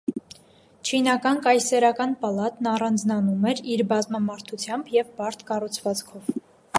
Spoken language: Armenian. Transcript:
Չինական կայսերական պալատն առանձնանում էր իր բազմամարդությամբ և բարդ կառուցվածքով։